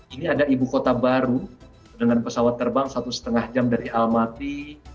ini ada ibu kota baru dengan pesawat terbang satu lima jam dari almaty